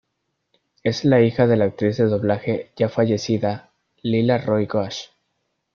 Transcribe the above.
Es hija de la actriz de doblaje ya fallecida Leela Roy Ghosh.